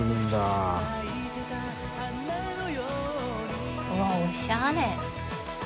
辻）うわおしゃれ！